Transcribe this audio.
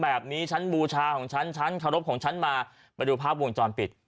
แบบนี้ชั้นบูชาของชั้นชั้นขรบของชั้นมาไปดูภาพวงจรปิด